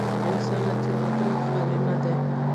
انسان له تېروتنې خالي نه دی.